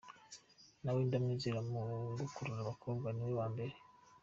Na we ndamwizera mu gukurura abakobwa ni uwa mbere.